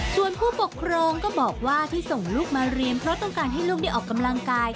ส่วนผู้ปกครองก็บอกว่าที่ส่งลูกมาเรียนเพราะต้องการให้ลูกได้ออกกำลังกาย